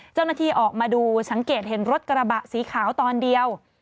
เจ้าหน้าที่ออกมาดูสังเกตเห็นรถกระบะสีขาวตอนเดียว